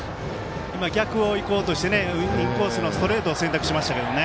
逆をいこうとしてインコースのストレートを選択しましたけどね。